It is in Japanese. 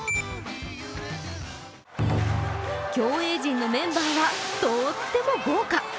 競泳陣のメンバーはとっても豪華。